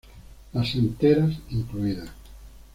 Las anteras, incluidas.